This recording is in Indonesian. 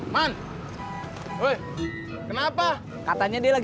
belum punya alat milk mang